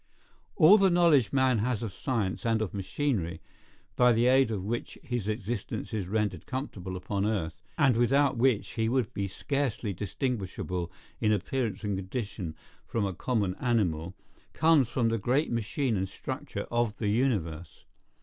] All the knowledge man has of science and of machinery, by the aid of which his existence is rendered comfortable upon earth, and without which he would be scarcely distinguishable in appearance and condition from a common animal, comes from the great machine and structure of the universe.